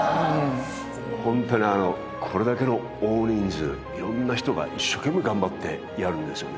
ホントにあのこれだけの大人数色んな人が一生懸命頑張ってやるんですよね